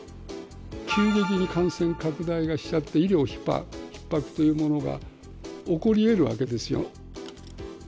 急激に感染拡大して医療ひっ迫というものが起こり得るわけですよ。